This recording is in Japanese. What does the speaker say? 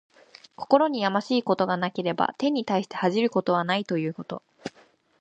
心にやましいことがなければ、天に対して恥じることはないということ。